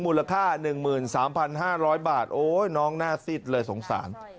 มูลค่า๑๓๕๐๐บาทโอ๊ยน้องหน้าซิดเลยสงสาร